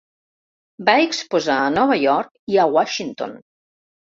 Va exposar a Nova York i a Washington.